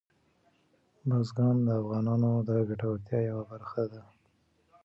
بزګان د افغانانو د ګټورتیا یوه برخه ده.